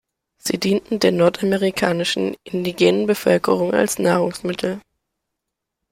Sie dienten der nordamerikanischen indigenen Bevölkerung als Nahrungsmittel.